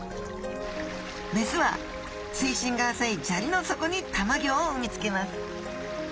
メスは水深が浅いじゃりの底にたまギョを産みつけます。